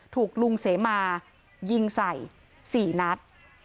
ถูกลุงเสมายิงใส่๔นัด